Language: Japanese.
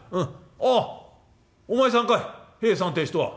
ああお前さんかい平さんって人は」。